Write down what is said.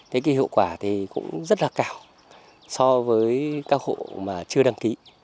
thế thì hiệu quả thì cũng rất là cao so với các hộ mà chưa đăng ký